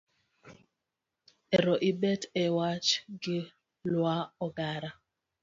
Ero ibet e wach gi law ogara